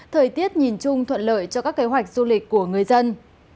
thời tiết nhìn chung thuận lợi cho các kế hoạch du lịch của người dân